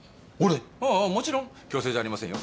あぁもちろん強制じゃありませんよ。